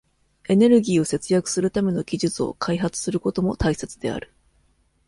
エネルギーを節約するための技術を開発することも大切である。